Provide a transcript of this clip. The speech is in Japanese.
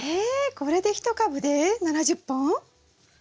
これで１株で７０本？